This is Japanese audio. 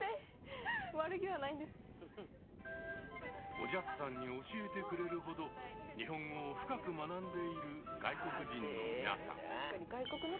おじゃすさんに教えてくれるほど日本語を深く学んでいる外国人の皆さん。